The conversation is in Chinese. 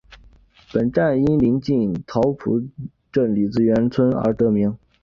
本站因临近桃浦镇李子园村而得名。